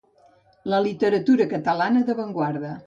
La literatura catalana d'avantguarda.